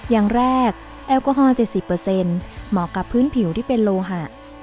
อย่างแรกแอลกอฮอล๗๐เหมาะกับพื้นผิวที่เป็นโลหะ